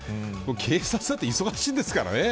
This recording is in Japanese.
警察だって忙しいんですからね。